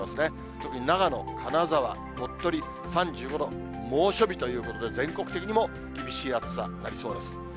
特に長野、金沢、鳥取３５度、猛暑日ということで、全国的にも厳しい暑さになりそうです。